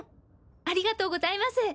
ありがとうございます！